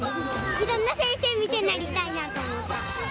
いろんな先生見てなりたいなと思った。